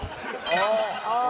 ああ。